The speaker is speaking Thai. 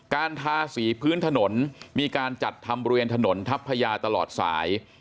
ทาสีพื้นถนนมีการจัดทำบริเวณถนนทัพพญาตลอดสาย